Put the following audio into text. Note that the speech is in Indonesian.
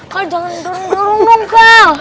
kal jangan durung durung dong kal